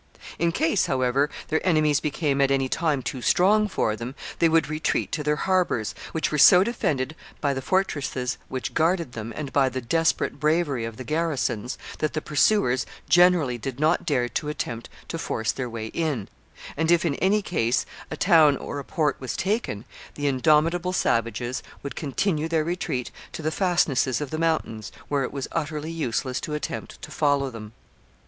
In case, however, their enemies became at any time too strong for them, they would retreat to their harbors, which were so defended by the fortresses which guarded them, and by the desperate bravery of the garrisons, that the pursuers generally did not dare to attempt to force their way in; and if, in any case, a town or a port was taken, the indomitable savages would continue their retreat to the fastnesses of the mountains, where it was utterly useless to attempt to follow them.